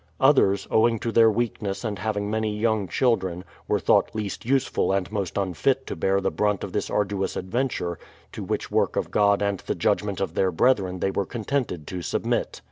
Others, owing to their weakness and having many young children, were thought least useful and most unfit to bear the brunt of this arduous adventure ; to which work of God and the judgment of their brethren they were contented to submit.